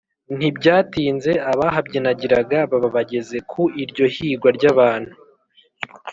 ntibyatinze abahabyiganiraga baba bageze ku iryo higwa ry'abantu